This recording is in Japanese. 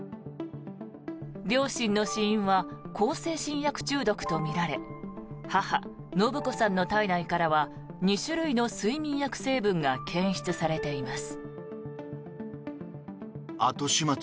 両親の死因は向精神薬中毒とみられ母・延子さんの体内からは２種類の睡眠薬成分が検出されています。